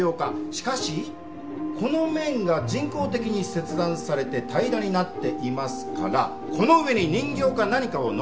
しかしこの面が人工的に切断されて平らになっていますからこの上に人形か何かを載せていた！